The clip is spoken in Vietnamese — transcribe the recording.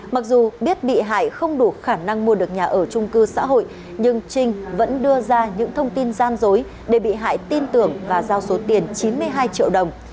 mặc dù biết bị hại không đủ khả năng mua được nhà ở trung cư xã hội nhưng trinh vẫn đưa ra những thông tin gian dối để bị hại tin tưởng và giao số tiền chín mươi hai triệu đồng